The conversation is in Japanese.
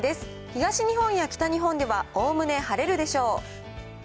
東日本や北日本ではおおむね晴れるでしょう。